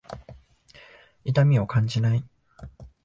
痛みを感じない。